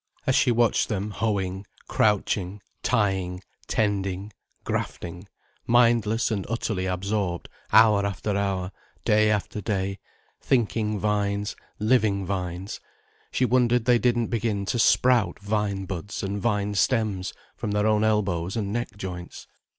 As she watched them hoeing, crouching, tying, tending, grafting, mindless and utterly absorbed, hour after hour, day after day, thinking vines, living vines, she wondered they didn't begin to sprout vine buds and vine stems from their own elbows and neck joints.